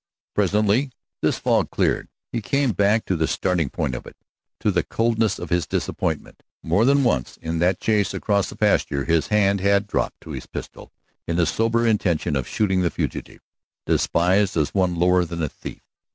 Presently this fog cleared; he came back to the starting point of it, to the coldness of his disappointment. More than once in that chase across the pasture his hand had dropped to his pistol in the sober intention of shooting the fugitive, despised as one lower than a thief.